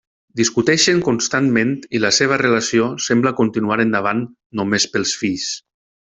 Discuteixen constantment i la seva relació sembla continuar endavant només pels fills.